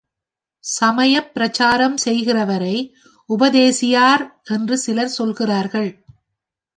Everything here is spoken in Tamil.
சமயப் பிரச்சாரம் செய்கிறவரை உபதேசியார் என்று சிலர் சொல்கிறார்கள்.